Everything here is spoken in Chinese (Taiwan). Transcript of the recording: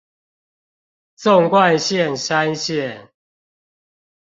縱貫線山線